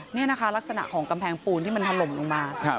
นี่นะคะลักษณะของกำแพงปูนที่มันถล่มลงมา